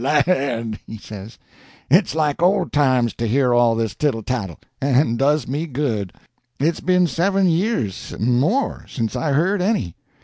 "Land!" he says, "it's like old times to hear all this tittle tattle, and does me good. It's been seven years and more since I heard any.